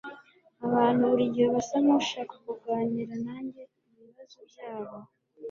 Abantu burigihe basa nkushaka kuganira nanjye ibibazo byabo